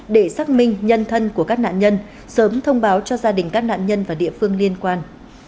để xác minh nhân thân của các nạn nhân sớm thông báo cho gia đình các nạn nhân và địa phương liên quan